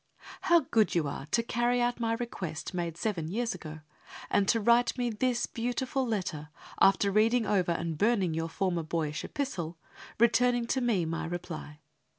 How good you are to carry out my request made seven years ago, and to write me this beautiful letter, after reading over and burning your former boyish epistle, returning to me my reply.